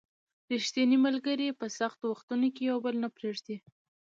ریښتیني ملګري په سختو وختونو کې یو بل نه پرېږدي